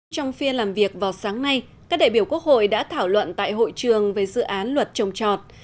trong phiên làm việc vào sáng nay các đại biểu quốc hội đã thảo luận tại hội trường về dự án luật trồng trọt